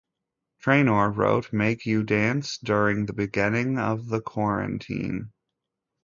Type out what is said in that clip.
Trainor wrote "Make You Dance" during the beginning of the quarantine.